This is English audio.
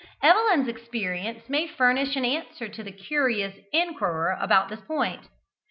Evelyn's experience may furnish an answer to the curious inquirer upon this point.